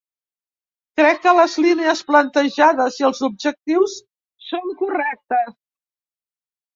Crec que les línies plantejades i els objectius són correctes.